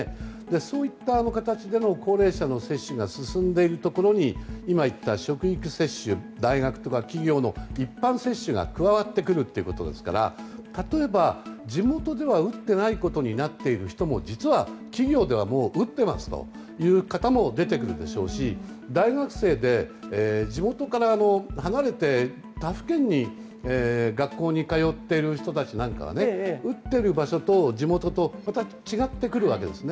そういった形での高齢者の接種が進んでいるところに今、言った職域接種大学とか、企業の一般接種が加わってくるということですから例えば、地元では打ってないことになっている人も実は企業では、もう打っていますという方も出てくるでしょうし大学生で、地元から離れて他府県の学校に通っている人たちなんかはね打っている場所と地元とまた違ってくるわけですね。